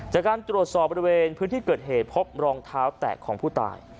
จากการตรวจสอบบริเวณพื้นที่เกิดเหตุพบรองเท้าแตะของผู้ตาย